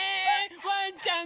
ワンちゃん